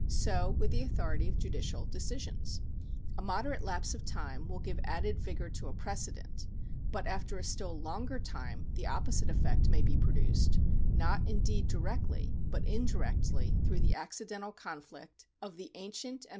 So with the authority of judicial decisions. A moderate lapse of time will give added vigour to a precedent, but after a still longer time the opposite effect may be produced, not indeed directly, but indirectly through the accidental conflict of the 1 Sheddon v.